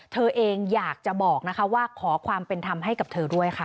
เธอเองอยากจะบอกนะคะว่าขอความเป็นธรรมให้กับเธอด้วยค่ะ